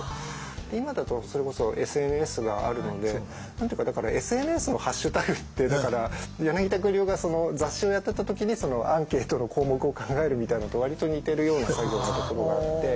今だとそれこそＳＮＳがあるので何て言うかだからＳＮＳのハッシュタグって柳田国男が雑誌をやってた時にアンケートの項目を考えるみたいなのと割と似てるような作業のところがあって。